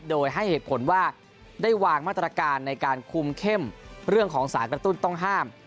โดยให้เหตุผลว่าได้วางมาตรการในการคุมเข้มเรื่องของสารกระตุ้นต้องห้าม